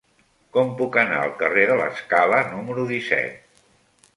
Com puc anar al carrer de l'Escala número disset?